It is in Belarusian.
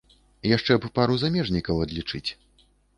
Яшчэ б пару замежнікаў адлічыць.